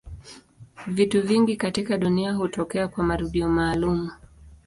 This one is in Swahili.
Vitu vingi katika dunia hutokea kwa marudio maalumu.